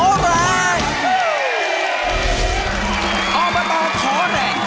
เอามาต่อขอแรง